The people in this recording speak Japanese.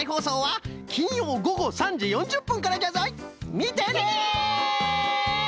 みてね！